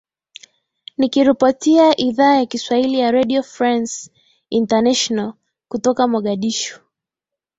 nikiripotia idhaa ya kiswahili ya redio france international kutoka mogadishu